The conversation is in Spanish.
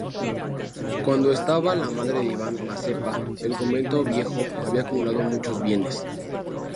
Cuando estaba la madre de Iván Mazepa, el convento viejo había acumulado muchos bienes.